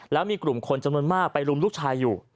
แล้วมีกลุ่มคนจำนวนมากไปรุมลูกชายอยู่